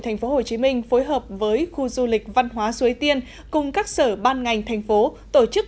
tp hcm phối hợp với khu du lịch văn hóa xuế tiên cùng các sở ban ngành thành phố tổ chức